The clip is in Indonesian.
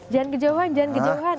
jangan kejauhan jangan kejauhan